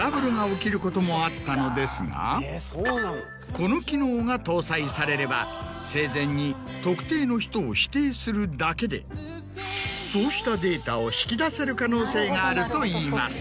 この機能が搭載されれば生前に特定の人を指定するだけでそうしたデータを引き出せる可能性があるといいます。